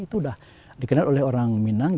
itu sudah dikenal oleh orang minang